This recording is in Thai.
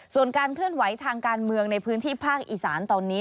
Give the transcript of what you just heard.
ส่วนการเคลื่อนไหวทางการเมืองในพื้นที่ภาคอีสานตอนนี้